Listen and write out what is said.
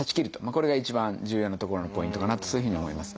これが一番重要なところのポイントかなとそういうふうに思います。